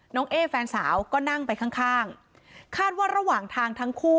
เอ๊แฟนสาวก็นั่งไปข้างข้างคาดว่าระหว่างทางทั้งคู่